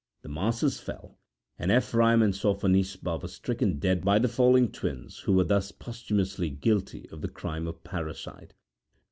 The masses fell, and Ephraim and Sophonisba were stricken dead by the falling twins, who were thus posthumously guilty of the crime of parricide.